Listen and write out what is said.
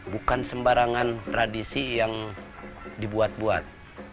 bukan sembarangan tradisi yang dibuat buat